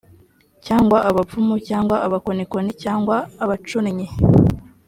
cyangwa abapfumu cyangwa abakonikoni cyangwa abacunnyi